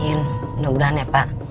mudah mudahan ya pak